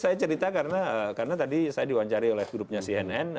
saya cerita karena tadi saya diwawancari oleh grupnya cnn